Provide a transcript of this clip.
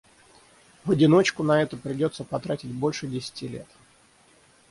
В одиночку на это придётся потратить больше десяти лет.